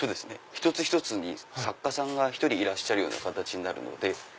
一つ一つに作家さんが１人いらっしゃる形なので。